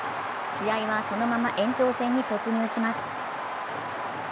試合はそのまま延長戦に突入します。